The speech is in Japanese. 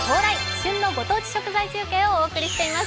旬のご当地食材中継」をお届けしています。